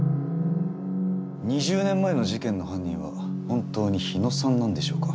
２０年前の事件の犯人は本当に日野さんなんでしょうか。